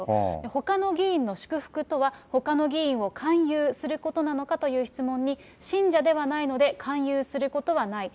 ほかの議員の祝福とは、ほかの議員を勧誘することなのかという質問に、信者ではないので勧誘することはない。